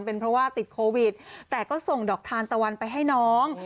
เป็นเพราะว่าติดโควิดแต่ก็ส่งดอกทานตะวันไปให้น้อง